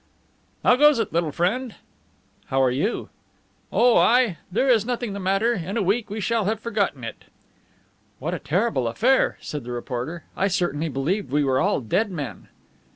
"How goes it, little friend?" "How are you?" "Oh, I! There is nothing the matter. In a week we shall have forgotten it." "What a terrible affair," said the reporter, "I certainly believed we were all dead men."